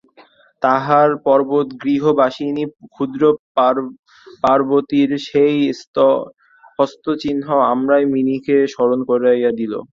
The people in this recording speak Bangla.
তাহার পর্বতগৃহবাসিনী ক্ষুদ্র পার্বতীর সেই হস্তচিহ্ন আমারই মিনিকে স্মরণ করাইয়া দিল।